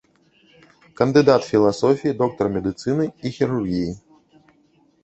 Кандыдат філасофіі, доктар медыцыны і хірургіі.